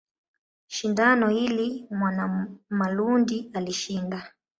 Shindano hili Mwanamalundi alishinda.